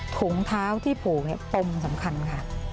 ถูกเข้าที่ผู่ปมสำคัญค่ะ